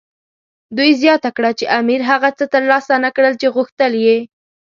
دوی زیاته کړه چې امیر هغه څه ترلاسه نه کړل چې غوښتل یې.